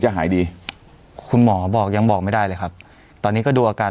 หายดีคุณหมอบอกยังบอกไม่ได้เลยครับตอนนี้ก็ดูอาการ